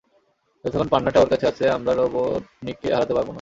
যতক্ষণ পান্নাটা ওর কাছে আছে, আমরা রোবটনিককে হারাতে পারব না।